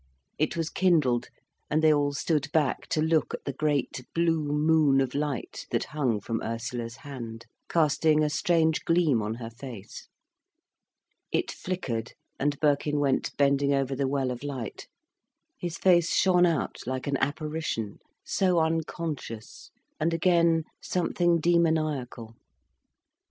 It was kindled, and they all stood back to look at the great blue moon of light that hung from Ursula's hand, casting a strange gleam on her face. It flickered, and Birkin went bending over the well of light. His face shone out like an apparition, so unconscious, and again, something demoniacal.